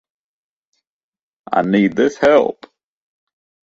I need this help.